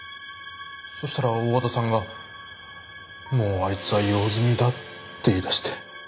そうしたら大和田さんがもうあいつは用済みだって言いだして。